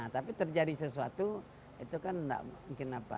tapi terjadi sesuatu itu kan tidak mungkin apa